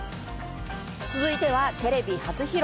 続いてはテレビ初披露。